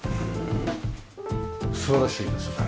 素晴らしいですね。